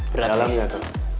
berat nih gak tuh